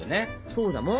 そうだもん！